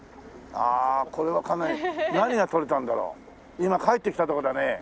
今帰ってきたとこだね。